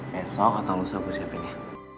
besok atau lo sabuk siapin ya